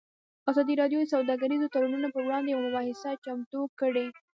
ازادي راډیو د سوداګریز تړونونه پر وړاندې یوه مباحثه چمتو کړې.